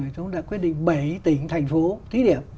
chúng ta quyết định bảy tỉnh thành phố thí điểm